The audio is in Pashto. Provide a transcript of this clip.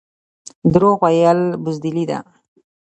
دروغ ویل بزدلي ده